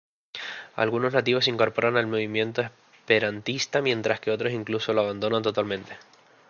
Algunos nativos se incorporan al movimiento esperantista mientras que otros incluso lo abandonan totalmente.